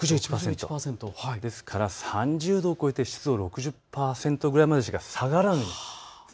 ６１％、ですから３０度を超えて、湿度６０％ぐらいまでしか下がらない。